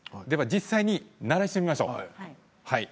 実際に鳴らしてみましょう。